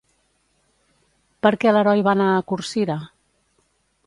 Per què l'heroi va anar a Corcira?